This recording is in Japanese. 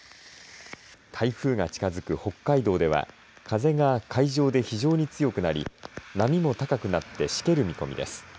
台風が近づく北海道では風が海上で非常に強くなり波も高くなってしける見込みです。